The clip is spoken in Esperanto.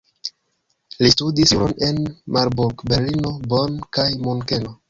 Li studis juron en Marburg, Berlino, Bonn kaj Munkeno.